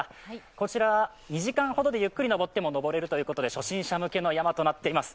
こちら２時間ほどでゆっくり登っても登れるということで初心者向けの山となっていす。